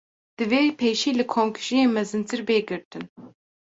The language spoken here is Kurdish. Divê pêşî li komkujiyên mezintir, bê girtin